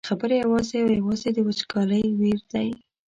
خبره یوازې او یوازې د وچکالۍ ویر دی.